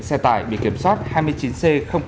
xe tải bị kiểm soát hai mươi chín c hai mươi năm